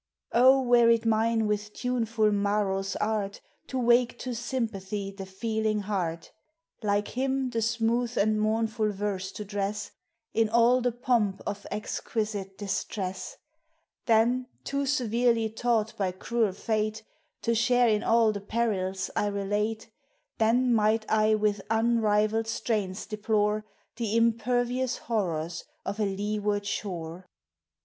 <>. were it mine with tuneful Maro's art To wake to sympathy the feeling heart; Like him the smooth and mournful verse to dress In all the pomp of exquisite distress, Then too severely taught by cruel fate, To share in all the perils I relate, V — 27 118 POEMS OF XATURE. Then might I with unrivalled strains deplore The impervious horrors of a leeward shore